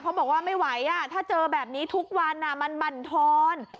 บอกว่าไม่ไหวถ้าเจอแบบนี้ทุกวันมันบั่นทอน